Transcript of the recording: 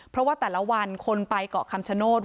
เพราะว่าแต่ละวันคนไปเกาะคำชโนธ